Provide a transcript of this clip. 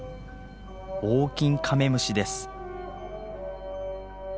オオキンカメムシです。